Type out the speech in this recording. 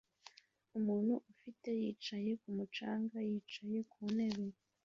Umuntu ufite yicaye kumu canga yicaye ku ntebe